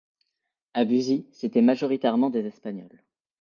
À Buzy, c'était majoritairement des Espagnols.